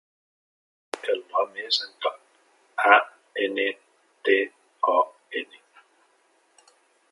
El nom és Anton: a, ena, te, o, ena.